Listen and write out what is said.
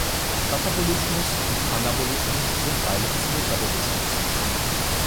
Katabolismus und Anabolismus sind Teile des Metabolismus.